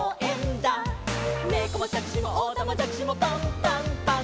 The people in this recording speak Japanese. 「ねこもしゃくしもおたまじゃくしもパンパンパン！！」